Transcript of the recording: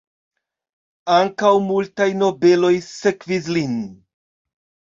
Ankaŭ multaj nobeloj sekvis lin.